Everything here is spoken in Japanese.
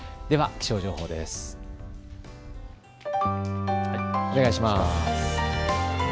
では気象情報です。